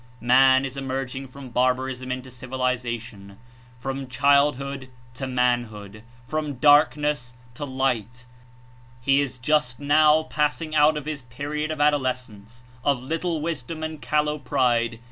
Man Is emerging from barbarism Into civilization, from childhood to manhood, from darkness to light; he Is just now passing out of his period of adolescense, of little wisdom and callow pride.